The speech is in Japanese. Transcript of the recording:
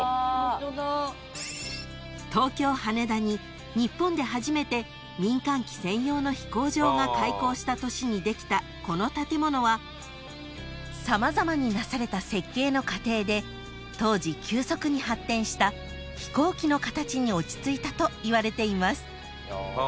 ［東京羽田に日本で初めて民間機専用の飛行場が開港した年にできたこの建物は様々になされた設計の過程で当時急速に発展した飛行機の形に落ち着いたといわれています］